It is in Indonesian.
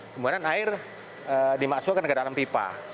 kemudian air dimasukkan ke dalam pipa